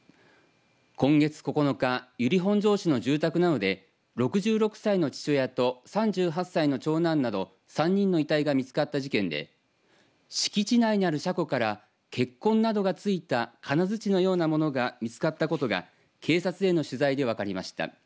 今月９日由利本荘市の住宅などで６６歳の父親と３８歳の長男など３人の遺体が見つかった事件で敷地内にある車庫から血痕などが付いた金づちのようなものが見つかったことが警察への取材で分かりました。